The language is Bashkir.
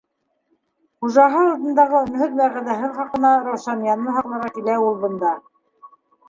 Хужаһы алдындағы өнһөҙ вәғәҙәһе хаҡына Раушанияны һаҡларға килә ул бында.